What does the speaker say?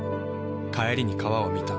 帰りに川を見た。